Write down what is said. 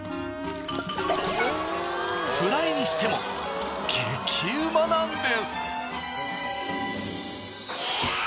フライにしても激うまなんです。